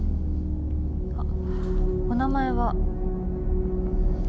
あっお名前は？えっ？